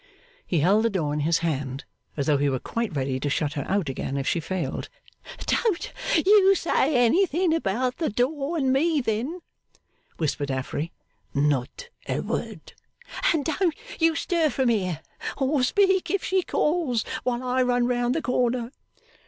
He held the door in his hand, as though he were quite ready to shut her out again if she failed. 'Don't you say anything about the door and me, then,' whispered Affery. 'Not a word.' 'And don't you stir from here, or speak if she calls, while I run round the corner.